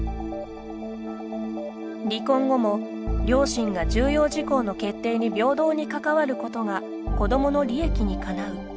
「離婚後も両親が重要事項の決定に平等に関わることが子どもの利益にかなう」